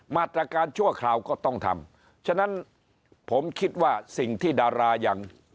มาตรการชั่วคราวก็ต้องทำฉะนั้นผมคิดว่าสิ่งที่ดารายัง